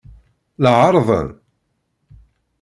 La ɛerrḍen.